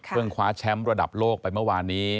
คว้าแชมป์ระดับโลกไปเมื่อวานนี้